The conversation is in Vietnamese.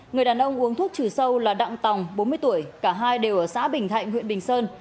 người đàn ông uống thuốc trừ sâu là đặng tòng bốn mươi tuổi cả hai đều ở xã bình thạnh huyện bình sơn